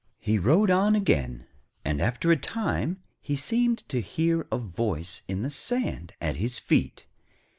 }] He rode on again, and after a time he seemed to hear a voice in the sand at his feet.